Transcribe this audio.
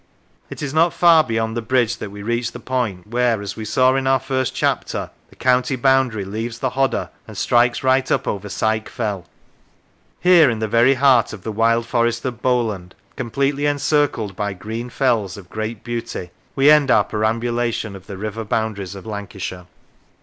It is not far beyond the bridge that we reach the point where, as we saw in our first chapter, the county boundary leaves the Hodder and strikes right up over Syke Fell. Here, in the very heart of the wild forest of Bowland, completely encircled by green fells of great beauty, we end our perambulation of the river boundaries of Lancashire.